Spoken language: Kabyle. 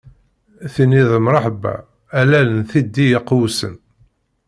Tiniḍ mreḥba, a lal n tiddi iqewsen.